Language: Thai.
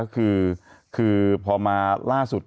คือพอมาล่าสุด